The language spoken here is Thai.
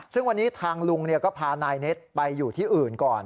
ซึ่งวันนี้ทางลุงก็พานายเน็ตไปอยู่ที่อื่นก่อน